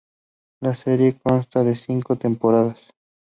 La serie consta de cinco temporadas.